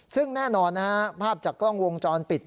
ซึ่งแน่นอนนะฮะภาพจากกล้องวงจรปิด